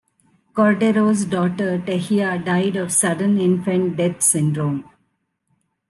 Cordero's daughter Tehya died of Sudden Infant Death Syndrome.